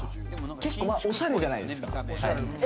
結構おしゃれじゃないですか。